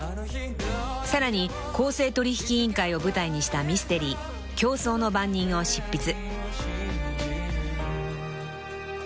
［さらに公正取引委員会を舞台にしたミステリー『競争の番人』を執筆］